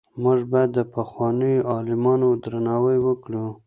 موږ باید د پخوانیو عالمانو درناوی وکړو.